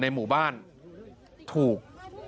หมู่บ้านถูก